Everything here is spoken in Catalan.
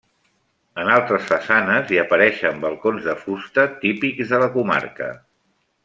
En altres façanes hi apareixen balcons de fusta, típics de la comarca.